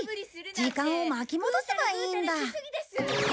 時間を巻き戻せばいいんだ。